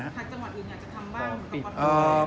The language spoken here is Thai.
ถ้าจังหวัดอื่นอยากจะทำบ้างหรือต้องปิด